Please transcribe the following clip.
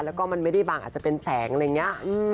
แล้วก็มันไม่ได้บางอาจจะเป็นแสงอะไรอย่างนี้